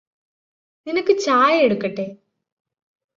നിനക്ക് ചായ എടുക്കട്ടേ?